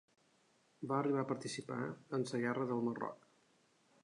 Va arribar a participar en la guerra del Marroc.